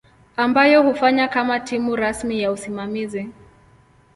ambayo hufanya kama timu rasmi ya usimamizi.